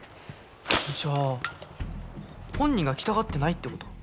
じゃあ本人が来たがってないってこと？